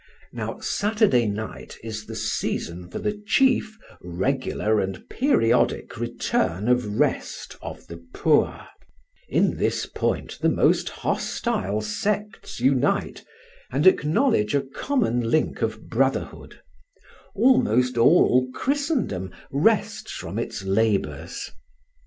Now Saturday night is the season for the chief, regular, and periodic return of rest of the poor; in this point the most hostile sects unite, and acknowledge a common link of brotherhood; almost all Christendom rests from its labours.